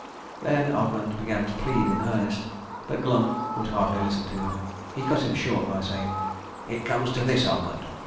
Then Ogmund began to plead in earnest, but Glum would hardly listen to him. He cut him short by saying, "It comes to this, Ogmund.